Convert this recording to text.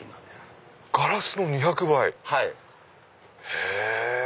ガラスの２００倍⁉へぇ！